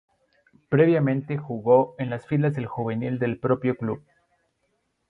Previamente jugó en las filas del juvenil del propio club.